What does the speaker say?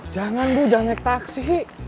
jangan bu jangan naik taksi